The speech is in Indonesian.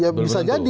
ya bisa jadi